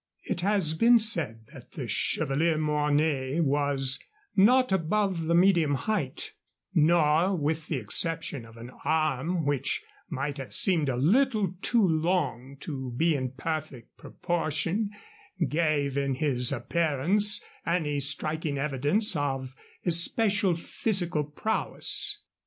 It has been said that the Chevalier Mornay was not above the medium height, nor, with the exception of an arm which might have seemed a little too long to be in perfect proportion, gave in his appearance any striking evidence of especial physical prowess.